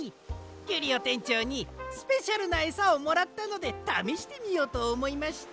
キュリオてんちょうにスペシャルなエサをもらったのでためしてみようとおもいまして。